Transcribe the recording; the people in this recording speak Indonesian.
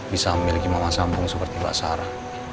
bisa memiliki mama sambung seperti mbak sarah